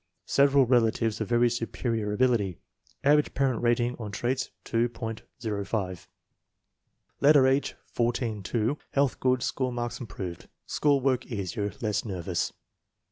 Several relatives of very superior ability. Average parent rating on traits, 2.05. Later, age 14 2. Health good, school marks im proved; school work easier; less nervous.